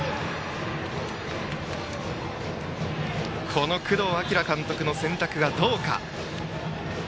この工藤明監督の選択、どうか。